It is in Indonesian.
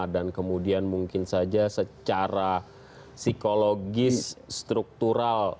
dan kemudian mungkin saja secara psikologis struktural